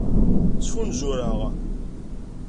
Ttfunzureɣ.